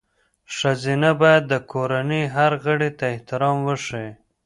ښځه باید د کورنۍ هر غړي ته احترام وښيي.